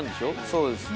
そうですね。